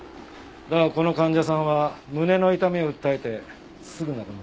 だがこの患者さんは胸の痛みを訴えてすぐ亡くなった。